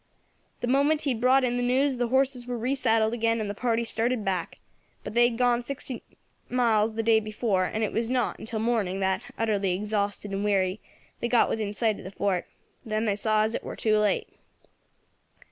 The moment he had brought in the news the horses were re saddled again, and the party started back; but they had gone nearly sixty miles the day before, and it was not until morning that, utterly exhausted and weary, they got within sight of the fort. Then they saw as it war too late.